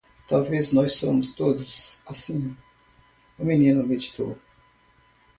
Talvez nós somos todos assim? o menino meditou.